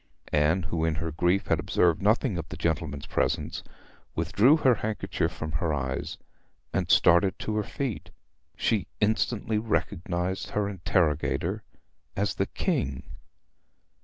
Anne, who in her grief had observed nothing of the gentlemen's presence, withdrew her handkerchief from her eyes and started to her feet. She instantly recognised her interrogator as the King.